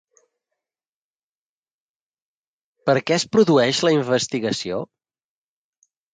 Per què es produeix la investigació?